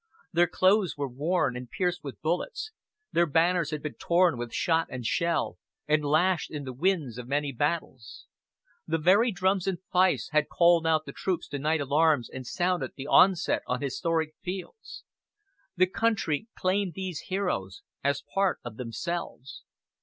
Their clothes were worn, and pierced with bullets, their banners had been torn with shot and shell, and lashed in the winds of many battles. The very drums and fifes had called out the troops to night alarms, and sounded the onset on historic fields. The whole country claimed these heroes as part of themselves.